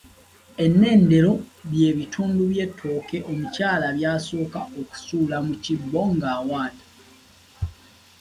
Ennendero bye bitundu bye tooke omukyala bya sooka okusuula mu kibbo ng’awaata.